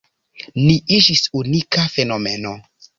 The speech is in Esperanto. Ni iĝis unika fenomeno.